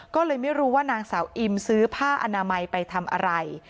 ก็เลยไม่รู้ว่านางสาวอิมซื้อผ้าอนามัยไปทำอะไร